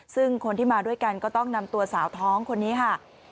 ซึ่งคนที่มาด้วยกันก็ต้องนำตัวสาวท้องคนนี้ค่ะ